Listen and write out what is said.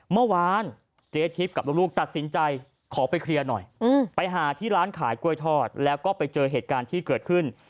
เมื่อวานเจ๊ทิพย์กับลูกตัดสินใจขอไปเคลียร์หน่อยไปหาที่ร้านขายกล้วยทอดแล้วก็ไปเจอเหตุการณ์ที่เกิดขึ้น